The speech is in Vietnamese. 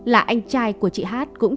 là anh trai của chị hát cũng